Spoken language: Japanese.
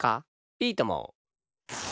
いいとも！